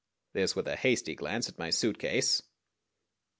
This with a hasty glance at my suitcase.